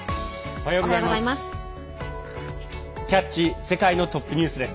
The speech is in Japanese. おはようございます。